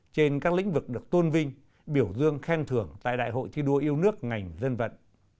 trên các lĩnh vực được tôn vinh biểu dương khen thưởng tại đại hội thi đua yêu nước ngành dân vận